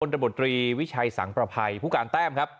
ตบตรีวิชัยสังประภัยผู้การแต้มครับ